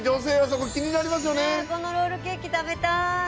このロールケーキ食べたい。